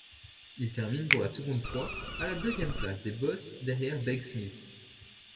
Il termine pour la seconde fois à la deuxième place des bosses derrière Begg-Smith.